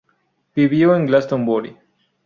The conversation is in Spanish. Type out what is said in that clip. Vivió en Glastonbury.